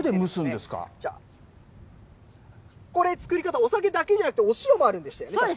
これ、作り方、お酒だけじゃなくて、お塩もあるんですよね、確かね。